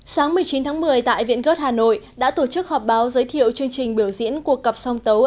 sáng một mươi chín tháng một mươi tại viện gớt hà nội đã tổ chức họp báo giới thiệu chương trình biểu diễn của cặp song tấu